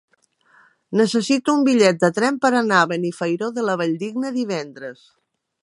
Necessito un bitllet de tren per anar a Benifairó de la Valldigna divendres.